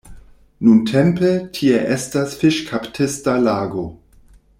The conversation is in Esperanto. Nuntempe tie estas fiŝkaptista lago.